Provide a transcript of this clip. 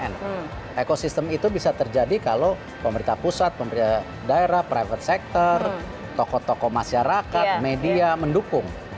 dan ekosistem itu bisa terjadi kalau pemerintah pusat pemerintah daerah private sector tokoh tokoh masyarakat media mendukung